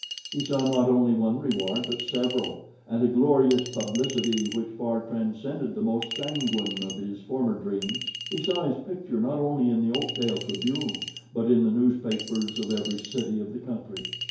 He saw not only one reward but several and a glorious publicity which far transcended the most sanguine of his former dreams. He saw his picture not only in the Oakdale Tribune but in the newspapers of every city of the country.